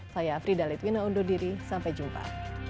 saya frida litwina undur diri sampai jumpa